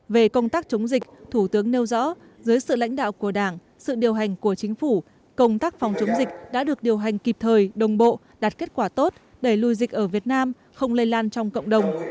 về công tác chống dịch thủ tướng nêu rõ dưới sự lãnh đạo của đảng sự điều hành của chính phủ công tác phòng chống dịch đã được điều hành kịp thời đồng bộ đạt kết quả tốt đẩy lùi dịch ở việt nam không lây lan trong cộng đồng